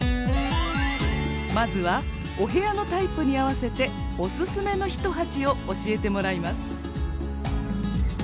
まずはお部屋のタイプに合わせてオススメの一鉢を教えてもらいます。